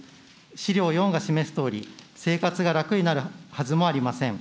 資料４が示すとおり、生活が楽になるはずもありません。